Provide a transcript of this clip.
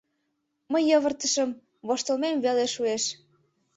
Мый йывыртышым, воштылмем веле шуэш.